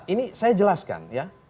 ini saya jelaskan ya